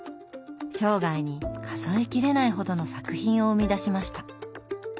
生涯に数えきれないほどの作品を生み出しました。